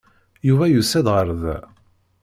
Yuba yusa-d ɣer da.